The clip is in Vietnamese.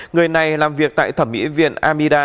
người này làm việc tại thẩm mỹ viện amnesty